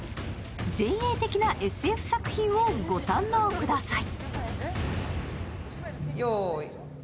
前衛的なＳＦ作品をご堪能ください。